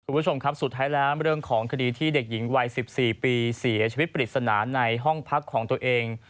คุณผู้ชมครับสุดท้ายแล้วเรื่องของคดีที่เด็กหญิงวัย๑๔ปีเสียชีวิตปริศนาในห้องพักของตัวเอง